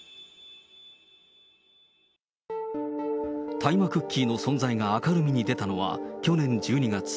大麻クッキーの存在が明るみに出たのは去年１２月。